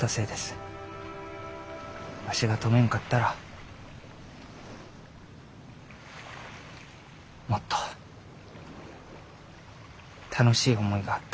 わしが止めんかったらもっと楽しい思いがあったでしょう。